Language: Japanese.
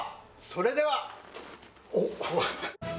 それではおっ。